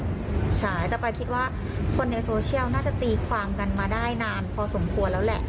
ใช่แต่ปอยคิดว่าคนในโซเชียลน่าจะตีความกันมาได้นานพอสมควรแล้วแหละ